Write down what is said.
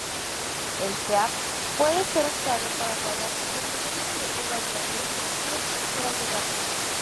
El "heap" puede ser usado para guardar permanentemente variables y estructuras de datos.